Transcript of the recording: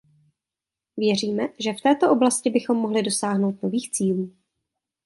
Věříme, že v této oblasti bychom mohli dosáhnout nových cílů.